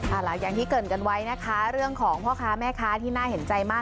อย่างที่เกิดกันไว้นะคะเรื่องของพ่อค้าแม่ค้าที่น่าเห็นใจมาก